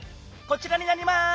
こちらになります！